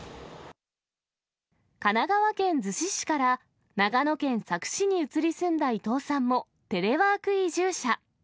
神奈川県逗子市から長野県佐久市に移り住んだ伊藤さんも、テレワーク移住者。